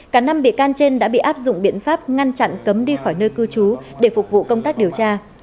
cả năm bị can trên đã bị áp dụng biện pháp ngăn chặn cấm đi khỏi nơi cư trú để phục vụ công tác điều tra